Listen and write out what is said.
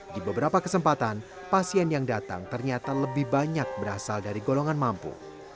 di beberapa kesempatan pasien yang datang ternyata lebih banyak berasal dari golongan mampu